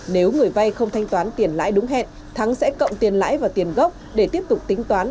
nếu người vay không thanh toán tiền lãi đúng hẹn thắng sẽ cộng tiền lãi và tiền gốc để tiếp tục tính toán